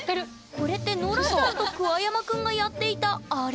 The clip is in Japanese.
これってノラさんと桑山くんがやっていたあれ？